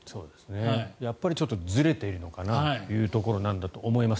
やっぱりちょっとずれているのかなというところなんだと思います。